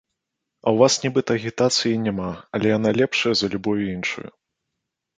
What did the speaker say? А ў вас нібыта агітацыі і няма, але яна лепшая за любую іншую.